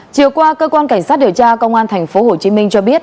chiều qua cơ quan cảnh sát điều tra công an thành phố hồ chí minh cho biết